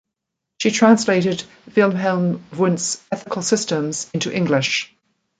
She translated Wilhelm Wundt's "Ethical Systems" into English.